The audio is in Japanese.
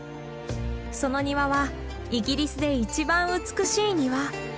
その庭はイギリスで一番美しい庭。